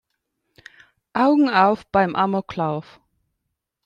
Augen auf beim Amoklauf!